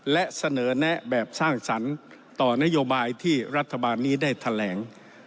และเสนอแนะแบบสร้างสรรค์ต่อนโยบายที่รัฐบาลนี้ได้แถลง